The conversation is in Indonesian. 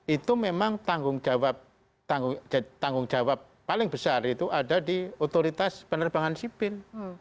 itu memang tanggung jawab paling besar itu ada di otoritas penerbangan sipil